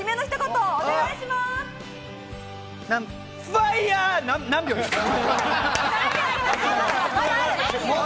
ファイヤー何秒ですか？